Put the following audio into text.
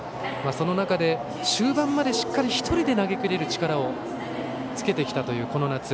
その中で終盤まで、しっかり１人で投げきれる力をつけてきたというこの夏。